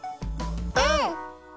うん！